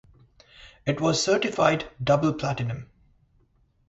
It was certified double platinum.